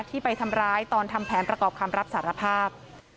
ที่ไปทำร้ายตอนทำแผนประกอบคำรับสารภาพ